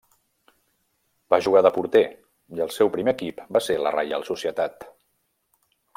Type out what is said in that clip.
Va jugar de porter i el seu primer equip va ser la Reial Societat.